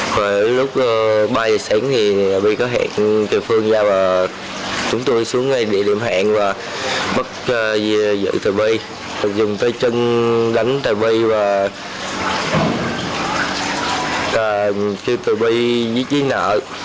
khoảng lúc ba giờ sáng thì bị có hẹn kiều phương ra và chúng tôi xuống ngay địa điểm hẹn và bắt giữ tài vi dùng tay chân đánh tài vi và kêu tài vi giết giấy nợ